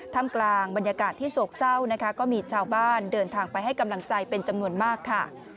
ทำกลางบรรยากาศที่โศกเศร้านะคะก็มีชาวบ้านเดินทางไปให้กำลังใจเป็นจำนวนมากค่ะ